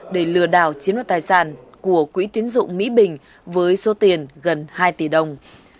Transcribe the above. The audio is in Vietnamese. để lừa đảo chiếm đoạt tài sản của quỹ tiến dụng mỹ bình với số tiền gần hai tỷ đồng